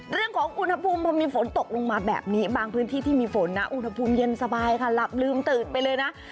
เรื่องของอุณหภูมิพอมีฝนตกลงมาแบบนี้บางพื้นที่ที่มีฝนนะอุณหภูมิเย็นสบายค่ะหลับลืมตืดไปเลยนะ